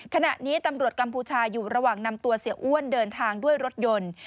ขณะนี้ตำรวจกัมพูชาอยู่ระหว่างนำตัวเสียอ้วนเดินทางด้วยรถยนต์